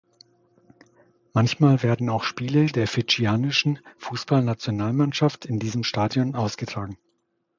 Manchmal werden auch Spiele der fidschianischen Fußballnationalmannschaft in diesem Stadion ausgetragen.